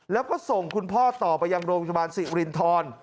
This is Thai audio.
แล้วก็ส่งคุณพ่อต่อไปยังโรงพยาบาลสิรินทร